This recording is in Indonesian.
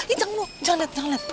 ih jangan jangan lihat